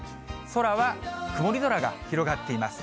空は曇り空が広がっています。